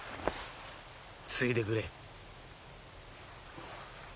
ついでくれ。